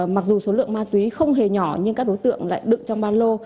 mặc dù số lượng ma túy không hề nhỏ nhưng các đối tượng lại đựng trong ba lô